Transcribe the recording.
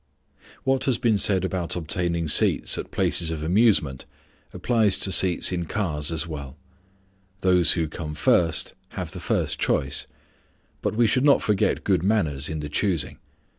What has been said about obtaining seats at places of amusement applies to seats in cars as well. Those who come first have the first choice; but we should not forget good manners in the choosing.